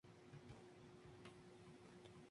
Se manejaron dos propuestas.